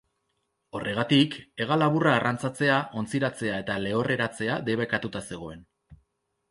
Horregatik, hegalaburra arrantzatzea, ontziratzea eta lehorreratzea debekatuta zegoen.